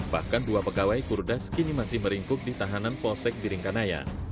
bahkan dua pegawai kurdas kini masih meringkuk di tahanan polsek biringkanaya